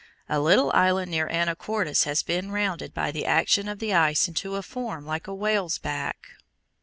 A little island near Anacortes (Fig. 36) has been rounded by the action of the ice into a form like a whale's back.